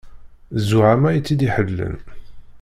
Zzuɛama i tt-id-iḥellen.